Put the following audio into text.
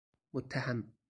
متهم